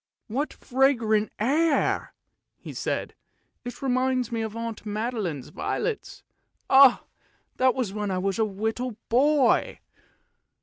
"What fragrant air!" he said; "it reminds me of Aunt Magdalene's violets; ah! that was when I was a little boy!